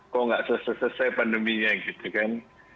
kok nggak selesai pandeminya gitu kan